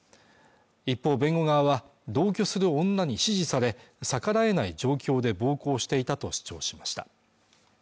一方弁護側は同居する女に指示され逆らえない状況で暴行していたと主張しました